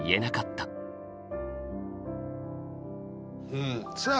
うんさあ